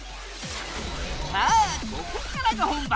さあここからが本番！